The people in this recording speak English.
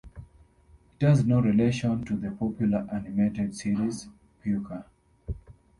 It has no relation to the popular animated series Pucca.